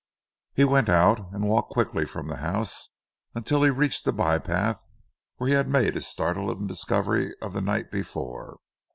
He went out and walked quickly from the house until he reached the by path where he had made his startling discovery of the night before.